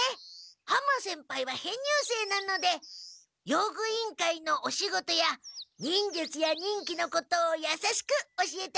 浜先輩は編入生なので用具委員会のお仕事や忍術や忍器のことをやさしく教えてあげてますもんね。